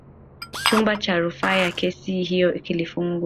chumba cha rufaa ya kesi hiyo kilifunguliwa